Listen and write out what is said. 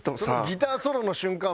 ギターソロの瞬間